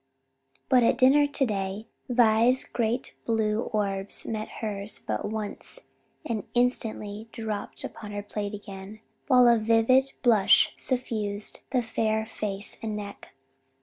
But at dinner to day, Vi's great blue orbs met hers but once and instantly dropped upon her plate again, while a vivid blush suffused the fair face and neck.